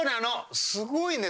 すごいね。